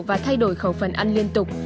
và thay đổi khẩu phần ăn liên tục